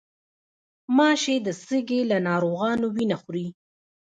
غوماشې د سږي له ناروغانو وینه خوري.